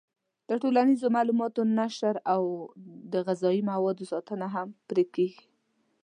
د ټولنیزو معلوماتو نشر او د غذایي موادو ساتنه هم پرې کېږي.